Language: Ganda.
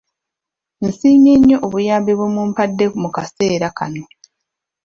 Nsiimye nnyo obuyambi bwe mumpadde mu kaseera kano.